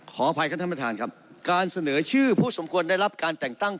ขออภัยครับท่านประธานครับการเสนอชื่อผู้สมควรได้รับการแต่งตั้ง